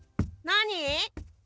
なに？